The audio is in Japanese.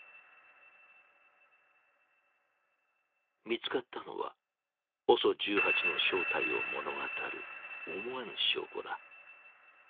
見つかったのはＯＳＯ１８の正体を物語る思わぬ証拠だ。